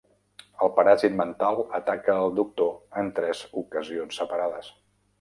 El paràsit mental ataca al Doctor en tres ocasions separades.